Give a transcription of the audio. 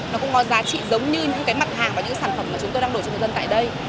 nó cũng có giá trị giống như những cái mặt hàng và những sản phẩm mà chúng tôi đang đổi cho người dân tại đây